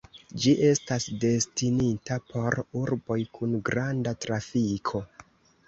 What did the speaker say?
Ĝi estas destinita por urboj kun granda trafiko.